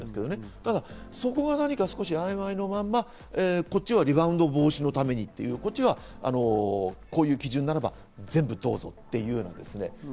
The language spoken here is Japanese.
ただ、そこが何か曖昧なまま、こっちはリバウンド防止のためにっていう、こっちはこういう基準ならば全部どうぞっていうような。